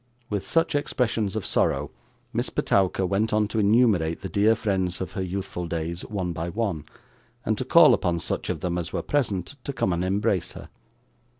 With such expressions of sorrow, Miss Petowker went on to enumerate the dear friends of her youthful days one by one, and to call upon such of them as were present to come and embrace her.